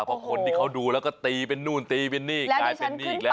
เพราะคนที่เขาดูแล้วก็ตีเป็นนู่นตีเป็นนี่กลายเป็นหนี้อีกแล้ว